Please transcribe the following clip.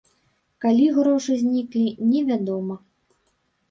Калі грошы зніклі, невядома.